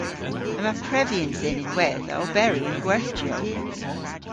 Yma prevyans dhyn ynwedh a oberi yn gwerthjiow.